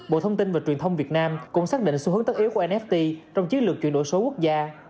bộ thông tin và truyền thông việt nam cũng xác định xu hướng tất yếu của nft trong chiến lược chuyển đổi số quốc gia